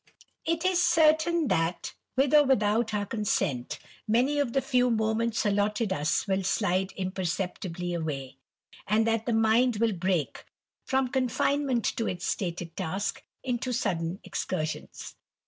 It is certain, that, with or without our consent, many of the few moments allotted us will slide imperceptibly away, and that the mind will break, from confinement to its stated 1 task, into sudden excursions.